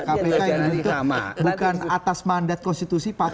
kpk ini bukan atas mandat konstitusi pak